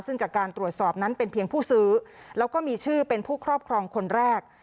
ซึ่งจากการตรวจสอบนั้นเป็นเพียงผู้ซื้อแล้วก็มีชื่อเป็นผู้ครอบครองคนแรก